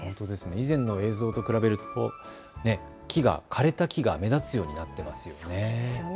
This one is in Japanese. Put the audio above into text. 以前の映像と比べると枯れた木が目立つようになっていますね。